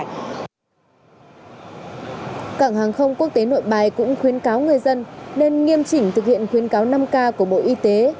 cảng hàng không quốc tế nội bài cũng khuyến cáo người dân nên nghiêm chỉnh thực hiện khuyến cáo năm k của bộ y tế